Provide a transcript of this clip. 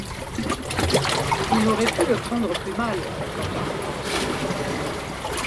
Il aurait pu le prendre plus mal, quand on y pense.